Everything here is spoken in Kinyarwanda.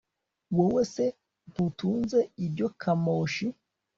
wowe se ntutunze ibyo kamoshi